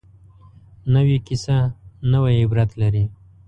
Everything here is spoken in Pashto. نوې کیسه نوې عبرت لري